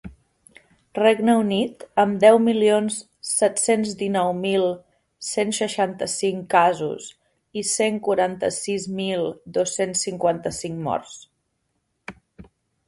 Regne Unit, amb deu milions set-cents dinou mil cent seixanta-cinc casos i cent quaranta-sis mil dos-cents cinquanta-cinc morts.